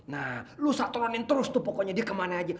nah lo saturanin terus tuh pokoknya dia kemana aja